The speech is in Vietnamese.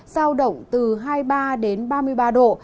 giao động từ hai mươi ba đến ba mươi ba độ